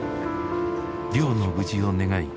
漁の無事を願い